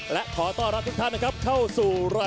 และขอต้อนรับทุกท่านนะครับเข้าสู่รายการ